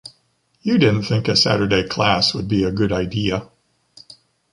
You didn't think a Saturday class would be a good idea.